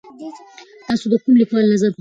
تاسو د کوم لیکوال نظر خوښوئ؟